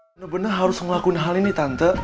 bener bener harus ngelakuin hal ini tante